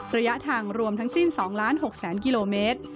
ระยะทางรวมทั้งสิ้น๒๖๐๐๐กิโลเมตร